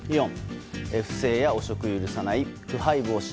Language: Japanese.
４、不正や汚職を許さない腐敗防止。